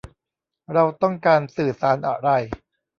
เราต้องการสื่อสารอะไร